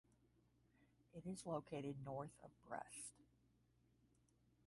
It is located north of Brest.